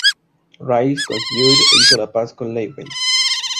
Rhys consiguió huir e hizo la paz con Llywelyn.